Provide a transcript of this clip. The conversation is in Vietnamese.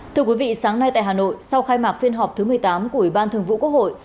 thưa quý vị sáng nay tại hà nội sau khai mạc phiên họp thứ một mươi tám của ủy ban thường vụ quốc hội